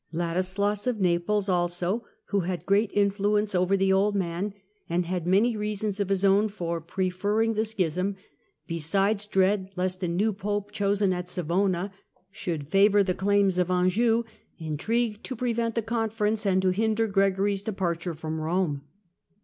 Ladislas of Naples, also, who had great influence over the old man, and had many reasons of his own for preferring the Schism, besides dread lest a new Pope chosen at Savona should favour the claims of Anjou, in trigued to prevent the Conference and to hinder Gregory's departure from Kome.